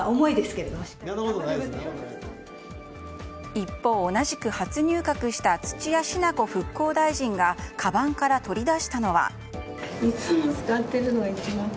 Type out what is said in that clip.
一方、同じく初入閣した土屋品子復興大臣がかばんから取り出したのは。